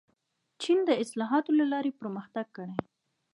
چین د اصلاحاتو له لارې پرمختګ کړی.